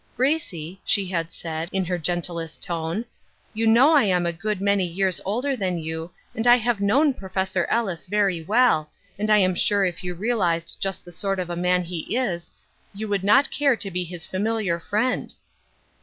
" Gracie," she had said, in her gentlest tone, "you know I am a good many years older than you, and I have known Prof. Ellis very well, and I am sure if you realized just the sort of a man he is you would not care to be his familiar friend."